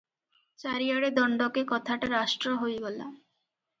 ଚାରିଆଡ଼େ ଦଣ୍ଡକେ କଥାଟା ରାଷ୍ଟ୍ର ହୋଇଗଲା ।